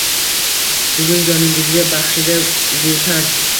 Sizning joningizga baxshida bu tan